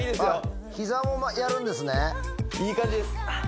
あ膝もやるんですねいい感じです